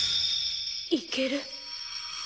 いける。